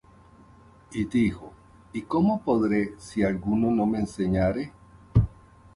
Y dijo: ¿Y cómo podré, si alguno no me enseñare?